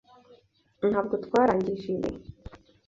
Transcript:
Ntabwo twarangije ibi.